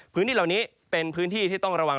พื้นที่เหล่านี้เป็นพื้นที่ที่ต้องระวัง